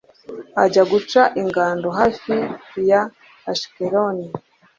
ajya guca ingando hafi ya ashikeloni